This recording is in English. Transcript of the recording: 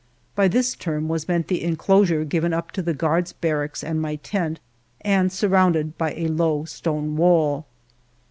' By this term was meant the enclosure given up to the guards' barracks and my tent, and sur rounded by a low stone wall.